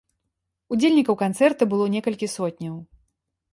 Удзельнікаў канцэрта было некалькі сотняў.